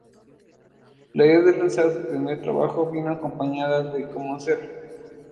La idea de lanzar su primer trabajo vino acompañada del cómo hacerlo.